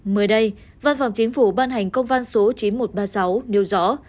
mới đây văn phòng chính phủ ban hành công văn số chín nghìn một trăm ba mươi sáu nêu rõ